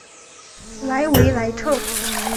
莱维莱特。